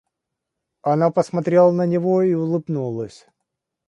Она посмотрела на него и улыбнулась.